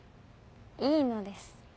いいのです。